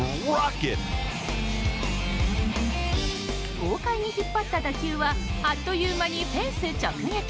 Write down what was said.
豪快に引っ張った打球はあっという間にフェンス直撃！